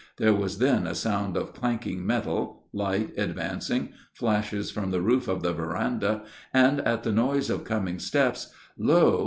There was then a sound of clanking metal light, advancing, flashes across the roof of the veranda and, at the noise of coming steps, lo!